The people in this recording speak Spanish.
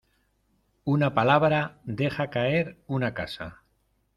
Una palabra deja caer una casa.